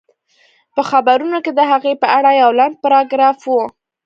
په خبرونو کې د هغې په اړه يو لنډ پاراګراف و